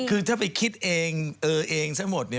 คือถ้าไปคิดเองเออเองซะหมดเนี่ย